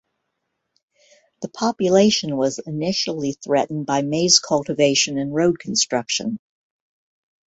The population was initially threatened by maize cultivation and road construction.